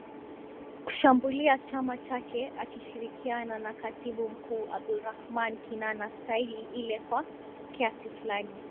kushambulia chama chake akishirikiana na Katibu Mkuu Abdulrahman Kinana Staili ile kwa kiasi fulani